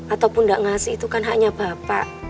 ataupun tidak ngasih itu kan hanya bapak